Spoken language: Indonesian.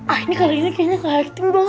ah ini kali ini kayaknya gak hektare doang